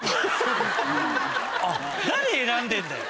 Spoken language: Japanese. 誰選んでんだよ。